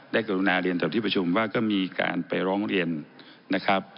กรุณาเรียนต่อที่ประชุมว่าก็มีการไปร้องเรียนนะครับ